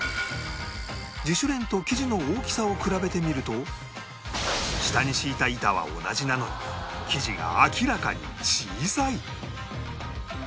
自主練と生地の大きさを比べてみると下に敷いた板は同じなのに生地が明らかに小さい